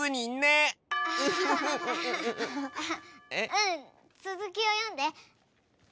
うんつづきを読んで！